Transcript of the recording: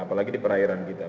apalagi di perairan kita